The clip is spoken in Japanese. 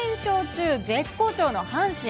中絶好調の阪神。